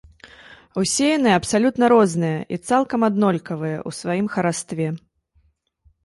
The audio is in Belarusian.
Усе яны абсалютна розныя і цалкам аднолькавыя ў сваім харастве.